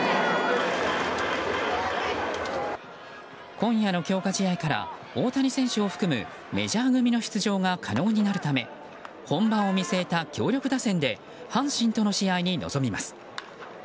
今夜の強化試合から大谷選手を含むメジャー組の出場が可能になるため本番を見据えた強力打線で阪神との試合に臨みます。